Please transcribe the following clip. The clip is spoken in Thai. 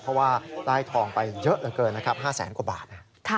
เพราะว่าได้ทองไปเยอะเหลือเกินนะครับ๕แสนกว่าบาท